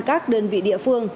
các đơn vị địa phương